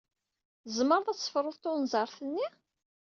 Tzemreḍ ad tefruḍ tunẓart-nni?